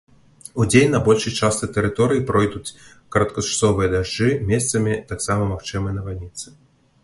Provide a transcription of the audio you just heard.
Удзень на большай частцы тэрыторыі пройдуць кароткачасовыя дажджы, месцамі таксама магчымыя навальніцы.